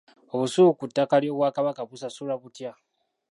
Obusuulu ku ttaka ly’obwakabaka busasulwa butya?